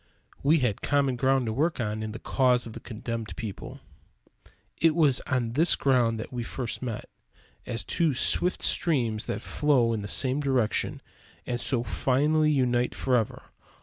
We had common ground to work on in the cause of the condemned people. It was on this ground that we first met; as two swift streams that flow in the same direction and so finally unite forever.